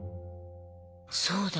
そうだ。